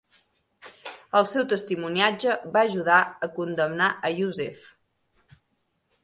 El seu testimoniatge va ajudar a condemnar a Yousef.